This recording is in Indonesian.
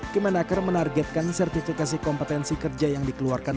kemenaker menargetkan sertifikasi kompetensi kerja yang dikeluarkan